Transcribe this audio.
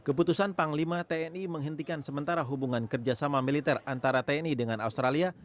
keputusan panglima tni menghentikan sementara hubungan kerjasama militer antara tni dengan australia